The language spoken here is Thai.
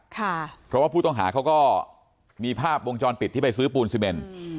เพราะว่าผู้ต้องหาเขาก็มีภาพวงจรปิดที่ไปซื้อปูนซีเมน